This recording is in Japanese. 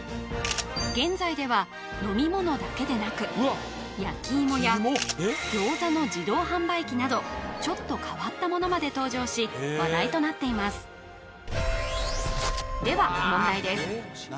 現在では飲み物だけでなく焼き芋や餃子の自動販売機などちょっと変わったものまで登場し話題となっていますでは問題です